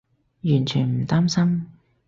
完全唔擔心